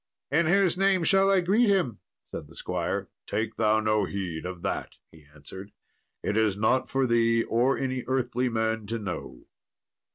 "In whose name shall I greet him?" said the squire. "Take thou no heed of that," he answered; "it is not for thee or any earthly man to know."